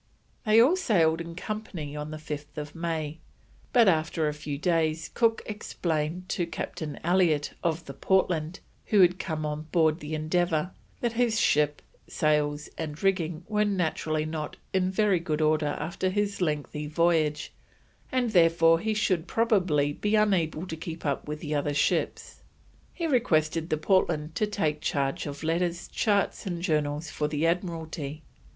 They all sailed in company on 5th May, but after a few days Cook explained to Captain Elliott, of the Portland, who had come on board the Endeavour, that his ship, sails, and rigging were naturally not in very good order after his lengthy voyage, and therefore he should probably be unable to keep up with the other ships. He requested the Portland to take charge of letters, charts, and journals for the Admiralty.